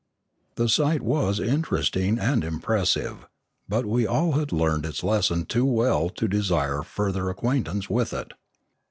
The sight was interesting and impressive, but we all had learned its lesson too well to desire further 652 Limanora acquantance with it.